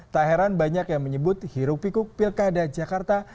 tak heran banyak yang menyebut hirup pikuk pilkada jakarta